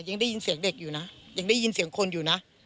ยังได้ยินเสียงเด็กอยู่นะยังได้ยินเสียงคนอยู่นะ